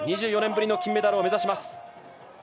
２４年ぶりの金メダルを目指します。